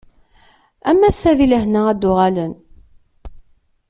Am wass-a di lehna ad d-uɣalen.